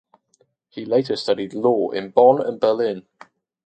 He later studied law in Bonn and Berlin.